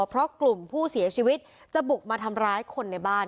เพราะกลุ่มผู้เสียชีวิตจะบุกมาทำร้ายคนในบ้าน